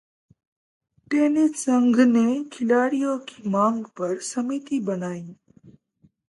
tennis संघ ने खिलाड़ियों की मांग पर समिति बनाई